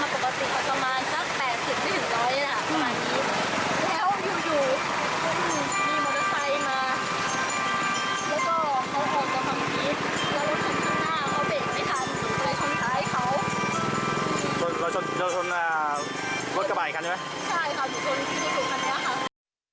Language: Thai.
ใช่ค่ะโดยชนที่ที่คือครั้งนี้ค่ะ